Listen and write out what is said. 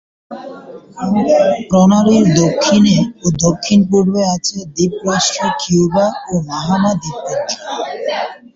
প্রণালীর দক্ষিণে ও দক্ষিণ-পূর্বে আছে দ্বীপরাষ্ট্র কিউবা ও বাহামা দ্বীপপুঞ্জ।